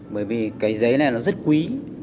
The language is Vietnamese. bởi vì cái giấy này nó rất quý